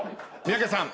三宅さん